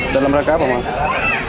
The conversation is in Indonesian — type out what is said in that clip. dalam rangka apa mas